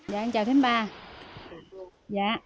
dạ anh chào thím ba